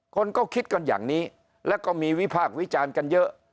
คนก็คิดกันอย่างนี้แล้วก็มีวิพากษ์วิจารณ์กันเยอะ